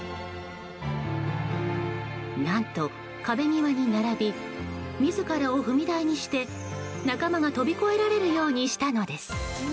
何と壁際に並び自らを踏み台にして仲間が飛び越えられるようにしたのです。